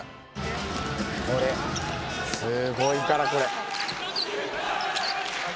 すごいからこれ。